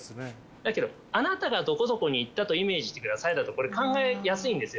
だけどあなたがどこどこに行ったとイメージしてくださいだとこれ考えやすいんですよ